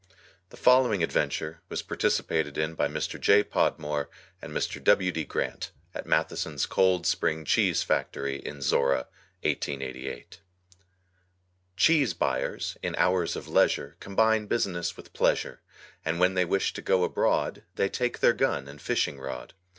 The following adventure was participated in by Mr. J. Podmore and Mr. W. D. Grant at Matheson's Cold Spring Cheese Factory in Zorra, 1888. Cheese buyers in hours of leisure Combine business with pleasure, And when they wish to go abroad They take their gun and fishing rod.